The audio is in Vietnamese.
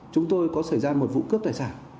chúng tôi có xảy ra một vụ cướp tài sản